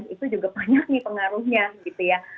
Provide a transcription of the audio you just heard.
itu juga banyak nih pengaruhnya